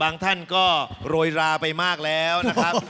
ท่านก็โรยราไปมากแล้วนะครับ